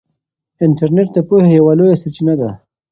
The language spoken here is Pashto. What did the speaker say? انټرنیټ د پوهې یوه لویه سرچینه ده.